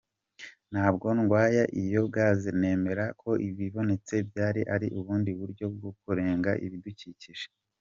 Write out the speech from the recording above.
Ntabwo ndwanya iyo gaz, nemera ko ibonetse yaba ari ubundi buryo bwo kurengera ibidukikije.